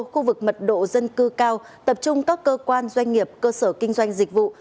khu vực mật độ dân cư cao tập trung các cơ quan doanh nghiệp cơ sở kinh doanh dịch vụ